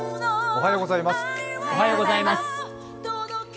おはようございます。